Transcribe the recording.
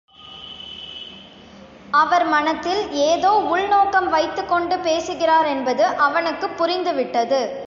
அவர் மனத்தில் ஏதோ உள்நோக்கம் வைத்துக் கொண்டு பேசுகிறாரென்பது அவனுக்குப் புரிந்துவிட்டது.